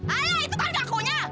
alah itu tadi akunya